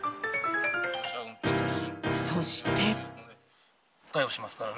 そして。